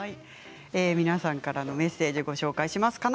皆さんからのメッセージをご紹介します。